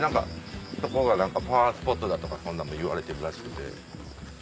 そこがパワースポットだとかそんなんもいわれてるらしくて。